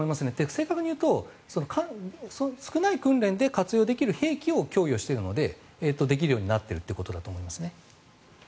正確に言うと少ない訓練で活用できる兵器を供与しているのでできるようになっているということだと思いますね。